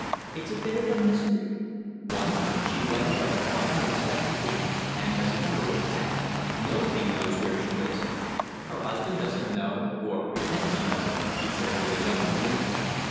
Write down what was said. "It's a bit of a mystery. One night she went away quite unexpectedly and, as a matter of fact, nobody knows where she is. Her husband doesn't know or pretends he doesn't," he said with a knowing grin.